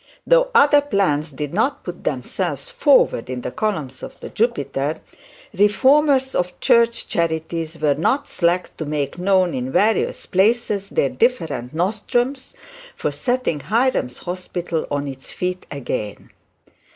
Though other plans did not put themselves forward in the columns of the Jupiter, reformers of church charities were not slack to make known in various places their different nostrums for setting Hiram's Hospital on its feet again.